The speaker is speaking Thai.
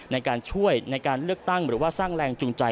ในการช่วยในการเลือกตั้งหรือว่าสร้างแรงจูงใจ